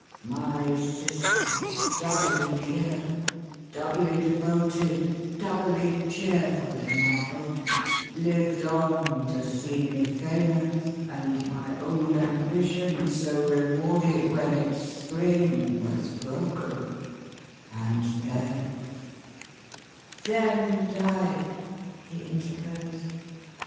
My sister, doubly dear, doubly devoted, doubly cheerful in my home, lived on to see me famous, and my old ambition so rewarded when its spring was broken, and then —" Then died," he interposed.